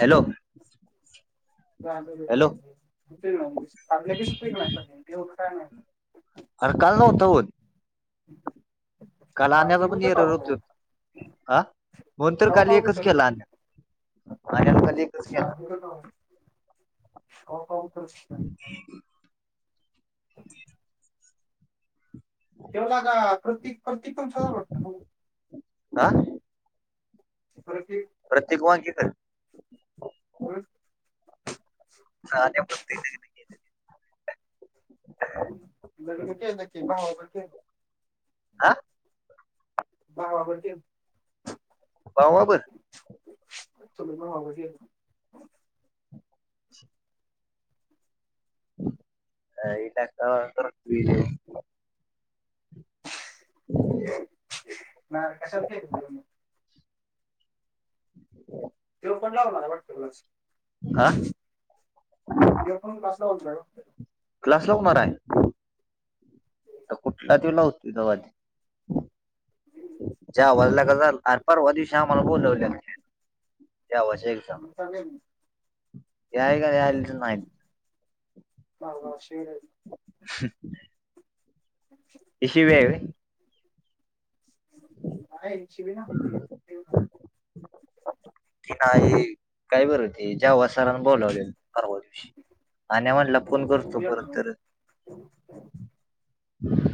Hello का hello सुट नाहील्या की सुपेल उ नाही अरे काल नव्हतं होत ह काल आणण्याचा पण येर होत होता ह म्ह तर काल एकच केला आण अन्यान कल एकच केला श कात श इग त्यो लेका प्रतीक [inaudible] बघू आह प्रत्येक प्रत्येक वाक्य कर. [unintelligible] काल नेमका [unintelligible] [inaudible] लग्न केल की भावाच केल आं भावा बर केल. भावा बर तरी पण आवाज येईना. काय टका मका बघतोय. ना कशाच टेन्शन [inaudible] त्यो पण लावणार आहे वाटत क्लास आं त्यो पण क्लास लावणार आहे ओ. क्लास लावणार आहे तर कुठला त्यो लावतोय तवा त्यो जा वाजला गजल आर पारवा दिवशी ते आम्हांला बोलवल्याल त्या दिवशी मसाले याय काय आलीच नाय. [unintelligible] हं ही शिवि हाय होय. [unintelligible] की नाही काय बर होते ज्येव्हां सरांन बोलावलेल परवा आणि म्हणल फोन करतो परत तर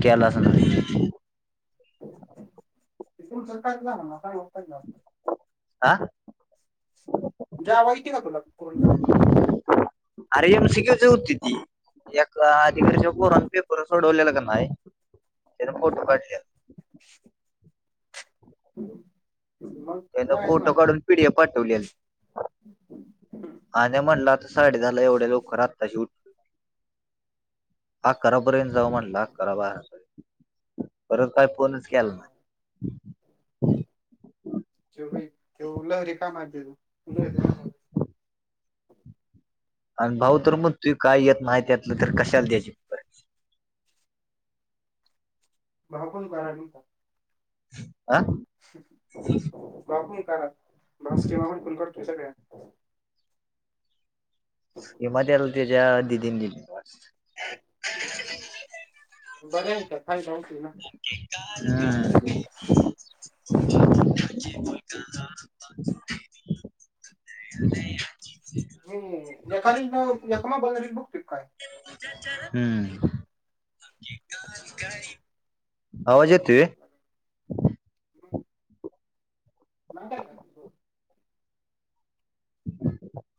केला असेल [unintelligible] तिथून सकाळच जाणार ना, काय मग [unintelligible] आ. जावाई केल तुला फोन. अरे येम [unintelligible] होतीती एक अधिकारीच्या पोरान हा पेप पर सोडवलेला का नाही, त्यान फोटो काढल्यात. मग. त्यांना जायच फोटो ना काढून पीडीएफ पाठवल्याल. [unintelligible] आणि म्हणल, आता साडे दहाला एवढे लवकर आताची उठ हा अकरा पर्यत जाऊ म्हणला, अकरा बारा पर्यंत. परत काय, फोनच केला नाही. त्यो व्हय त्यो लहरी काम हाय तेज, लहरी [unintelligible] आणि भाऊ तर म्हणतोय, काय येत नाही त्यातलं तर कशाला द्याचे. भाऊ, पण बरा हाय तुमचा. आह. [unintelligible] करा, बास ठेवा म्हणतोय करतोय सगळ्या. हे मध्येला तेजा दिदीन दिलती वाटत. बरं आहे का? [unintelligible] होती ना. हम्म, हम्म, एका [unintelligible] बघतेत काय? हम्म, आवाज येतोय व्हय? [inaudible] [inaudible]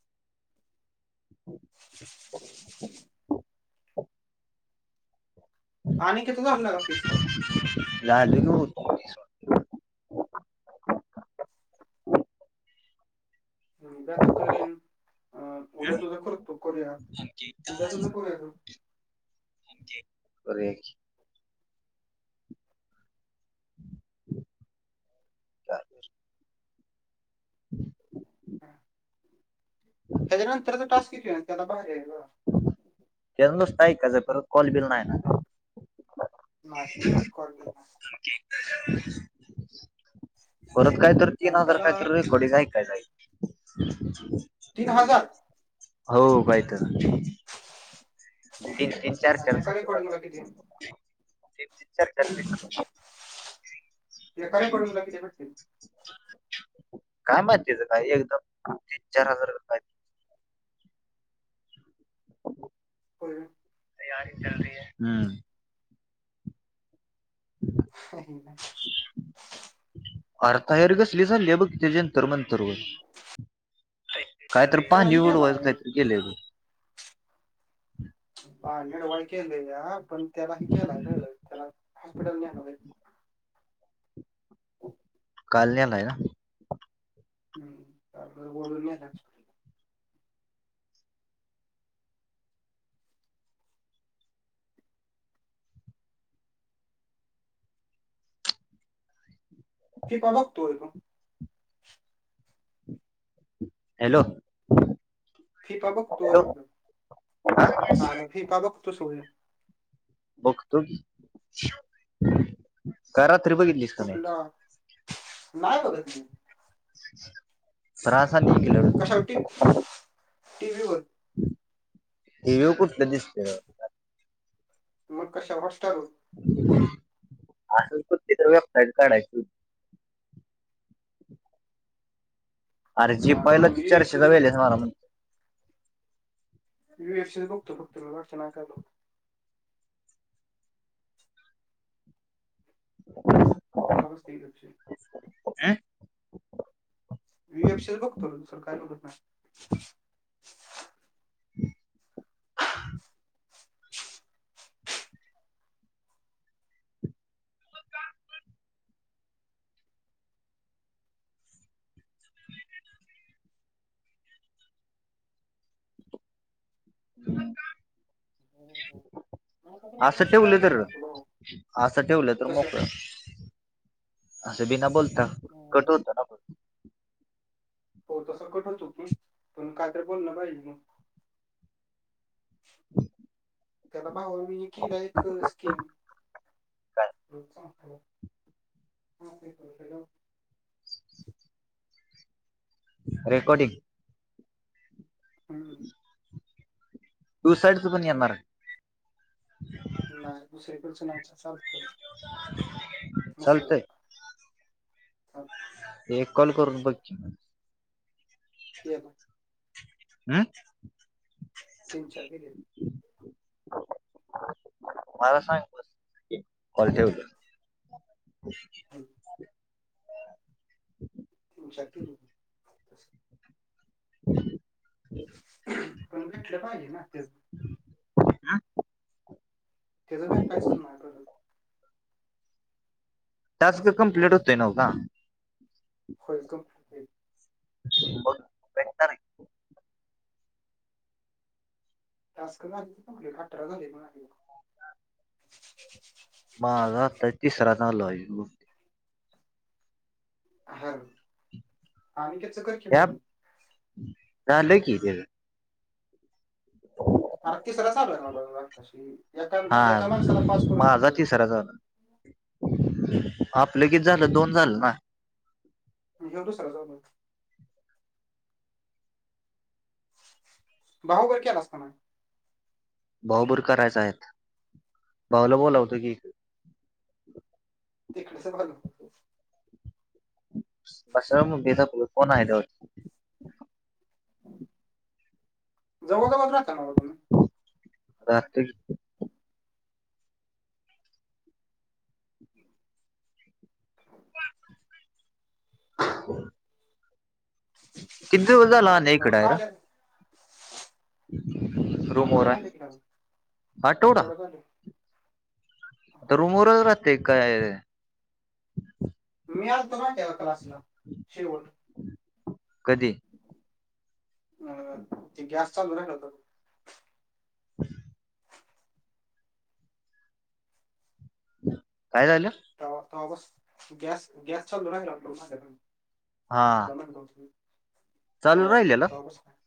हो [inaudible] आणि कसं घालणार होतीस मग? ज लत [inaudible] उद्या आता करेन अ उद्या तुझा करतो करूया उद्या तुझं करूया. करे. च त्याच्या नंतरचा टास्क घेत त्याला बाहेर याल. केसता का ज पर कॉल बिल नाही ना. नाही र कॉली ना. परत काय तर तीन आणि हजार फॅ त्याला तर रकोडी जाई काय नाहीये. तीन हजार हो काही तर. विचार आणि एका रेकॉर्डिंगला किती कर विचार. खय पडूनला किती भेटतील. काय माहितीचं काय एकदाम तीन चार हजार. होल. तयारी चल रही ह ह. ना. अर्थहेर घसली झाली बघ त्याच्यांतर मंतर व. काहीतरी त्याला पाणी ही उडवायच केलाय काहीतरी गेले. हा निडवाळ केले ह पण त्याला ह केला त्याला हॉस्पिटल न आण हो. [inaudible] [inaudible] [inaudible] हॅलो! फी पा बघतो आहे हॅलो म्हण हा आ फी पा बघतो सोय. बघतो क. घ रात्री बघितली. कुठला नाही बघ त. तरासाली किलो. कशावर टी टीव्ही वर. टीव्ही वर कुठलं दिसते? मग कशावर होस्टार. असल कुती तर वेबसाईट काढायची. अरे जी पहिलं ती मी युएफसी चर्चेचा वेल म म्ह. व एफ बतो बघत वर्ष नाग आलो. हम. तुास्तचच. अं. वएफसीस बुक कर सरकार. ह. ह. हो, हो. असं ठेवलं तर भाऊ असं ठेवलं तर मोकळ. असा बिना बोलता कसं कठोरता ना. हो तसं [unintelligible] पण काय तर बोलण पाहिजे म [unintelligible] त्याला माग मी किल्या एक स्कीम हा पी प पिलो. रेकॉर्डिंग. हम्म. टू साईडच पण येणार हाय. नाही दुसरीेकडचं नाही च चालत मुस चालतंय एक कॉल करून बघ की? केला. हम्म. तीन, चार केलेत. मला सांग बस की कॉल ठेवलं. आई. तीन, चार केलो. पण भेटलं पाहिजे ना त? आ त्याच बी [unintelligible] माय बरोबर. टास्क असं काय कंप्लीट व्हायचं होतोय नव का? होईल कंप्लेंट होईल. बग भेटत नही. टास्क झाली की कंप्लेंट अठरा झाले माझे. माझ आता तिसरा चालू हाय यो. हॅलो. अनिकेतच कर की बोलन झाल की ते आर तिसरा चालु आहे हा माझा [unintelligible] एका माणसाला पाच करू माझा शकतो. तिसरा झाला आपलं किती झालं? दोन झालं ना. तुझा दूसरा चालू बाहूकर केलास काय का नाय? भाऊ बुर करायचा आहेत भाऊला बोलावतो की तिकडेचं भागवू. बस म बेध फोण [unintelligible] जवळ च्या बाजूला असत्या नवं राती [inaudible] किती दिवस झाल अन्या राबलो हिकड हाय का र? आले [inaudible] आठवडा झाल की नाय मग? आठवडा झाल. आता रूमवरच राहतय काय र? मी आलतो ना त्या क्लासला शेवट. कधी? अ ते गॅस चालू राहिल होत [unintelligible] काय झालं? तवा तवा बस गॅस गॅस चालु राहिला होता माझ्या कडन हा रमण चालू तवा राहिलेला तवापसन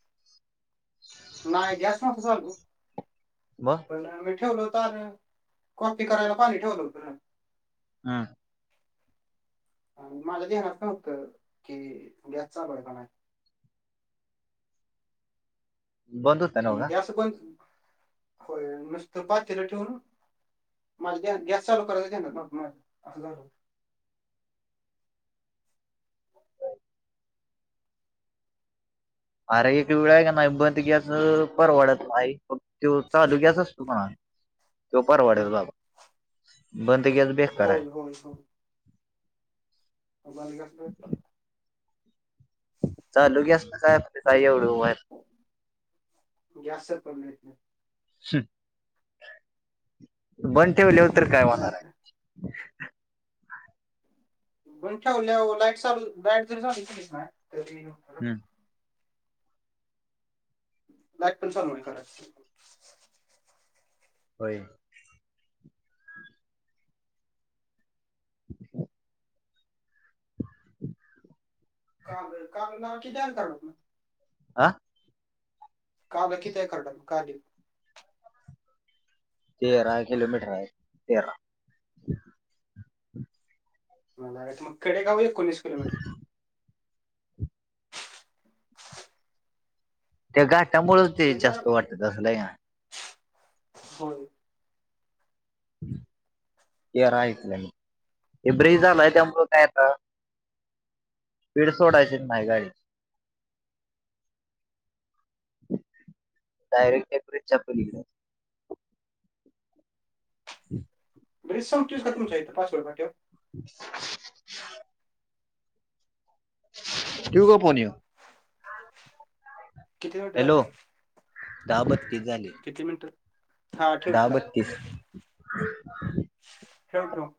नाही. गॅस न्हवता चालू. म पण आम्ही ठेवलहुतान अन कॉपी करायला पाणी ठेवलं हुत हं. माझ्या ध्यानात न्हवत की गॅस चालु हाय काय नाय. बंद नव पण का गँस बंद, होय नुसतं पातेल ठेवून माझ्या गँस चालु करायच ध्यानात न्हवत माझ्या असं झाल‌ होत. अर एक वेळ हाय की नाही बंद गॅस परवडत नाय. तो चालू गॅस असतो कानाय तो परवाडेल होतं. बाबा बंद गॅस बेकार आहे होय होय हो! बंद गॅस भेटतो का? चालू गँस ला काय काय एवढं व्हायला. गॅस बंद ठेवल्यावर तर काय नाही होणार तर आहे? बंद ठेवल्यावर लाईट चालू लाईट जरी चालू केली कनाय तरी ती हम्म! लाईट पण चालू होईल कदाचित. होय! [inaudible] [inaudible] काल काल लगा किती अंतर आहे कराडात न? आ! काल किती आहे कराडातन काले? तेरा किलोमीटर हाय तेरा! मला लगा कडेगाव एकोणीस किलोमीटर त्या घाटामुळच ते म्हणजे लागा जास्त वाटत असल हाय कानाय? होय! तेरा हाय हितंन, ते ब्रिज झालाय त्यामुळ काय आता स्पीड सोडायची नाही गाडीची. डायरेक्ट त्या ब्रीज च्या पलीकडचं. [inaudible] ब्रिज संपतोच का तुमच्या हित पाचवड फाट्यावर? [inaudible] ठेऊ का फोन ह्यो? किती मिनिटं हॅलो झाली दहा बत्ती झालेत. किती मिनटं दहा बत्तीस! ठेव ठेव.